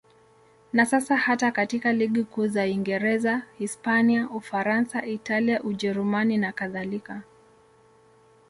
Na sasa hata katika ligi kuu za Uingereza, Hispania, Ufaransa, Italia, Ujerumani nakadhalika.